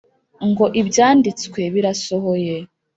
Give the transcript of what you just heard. ngo ibyanditswe birasohoye